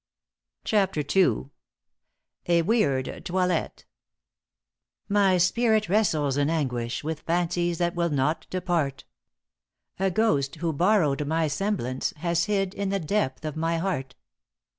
*CHAPTER II.* *A WEIRD TOILETTE.* My spirit wrestles in anguish With fancies that will not depart; A ghost who borrowed my semblance Has hid in the depth of my heart.